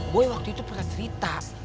gue waktu itu pernah cerita